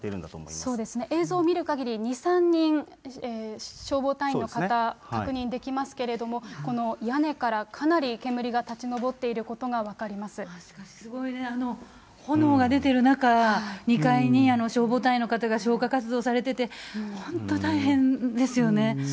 そうですね、映像を見るかぎり、２、３人、消防隊員の方、確認できますけれども、この屋根からかなり煙が立ち上っていることしかし、すごいね、炎が出てる中、２階に消防隊員の方が消火活動されてて、本当大変ですよね。